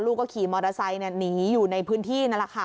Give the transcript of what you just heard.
ก็ขี่มอเตอร์ไซค์หนีอยู่ในพื้นที่นั่นแหละค่ะ